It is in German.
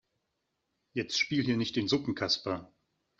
Jetzt spiel hier nicht den Suppenkasper.